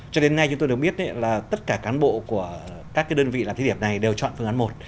cho đến nay chúng tôi được biết là tất cả cán bộ của các đơn vị làm thí điểm này đều chọn phương án một